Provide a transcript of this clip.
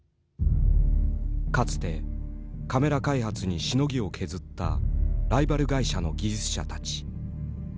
かつてカメラ開発にしのぎを削ったライバル会社の技術者たち。